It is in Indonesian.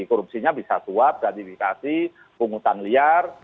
korupsinya bisa suap gratifikasi pungutan liar